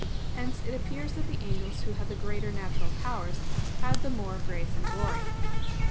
Hence it appears that the angels who had the greater natural powers, had the more grace and glory.